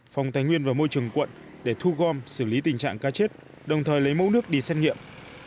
phòng tài nguyên và môi trường quận để thu gom xử lý tình trạng cá chết đồng thời lấy mẫu nước đi xét nghiệm